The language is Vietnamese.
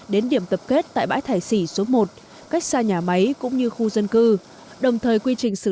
đến điểm tập kết tại bãi thải sỉ số một cách xa nhà máy cũng như khu dân cư đồng thời quy trình xử